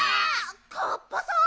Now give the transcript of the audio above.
カッパさん？